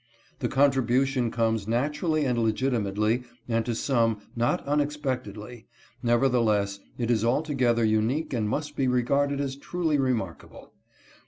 The contribution comes natu rally and legitimately and to some not unexpectedly, nevertheless it is altogether unique and must be regarded as truly remarkable.